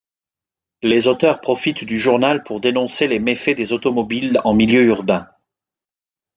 Les auteurs profitent du journal pour dénoncer les méfaits des automobiles en milieu urbain.